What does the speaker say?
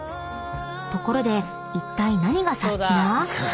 ［ところでいったい何がサスティな？］